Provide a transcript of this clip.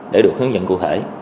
để được hướng dẫn cụ thể